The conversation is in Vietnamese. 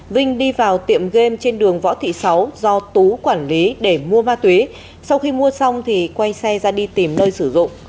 vinh đi vào tiệm game trên đường võ thị sáu do tú quản lý để mua ma túy sau khi mua xong thì quay xe ra đi tìm nơi sử dụng